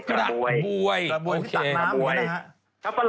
กระบวยที่ต่างน้ำนี้นะฮะ